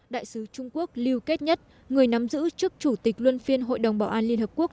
đại sứ trung quốc liu ket nhất người nắm giữ trước chủ tịch luân phiên hội đồng bảo an liên hợp quốc